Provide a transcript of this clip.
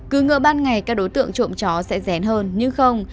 cứ ngỡ ban ngày các đối tượng trộm chó sẽ rén hơn nhưng không